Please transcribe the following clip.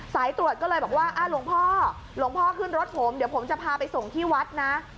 สายตรวจก็เลยบอกว่าหลวงพ่อหลวงพ่อขึ้นรถผมเดี๋ยวผมจะพาไปส่งที่วัดนะ